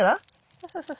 そうそうそうそう。